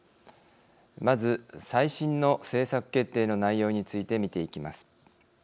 まず最新の政策決定の内容について見ていきます。